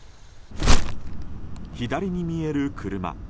左に見える車。